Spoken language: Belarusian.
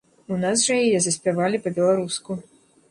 У нас жа яе заспявалі па-беларуску.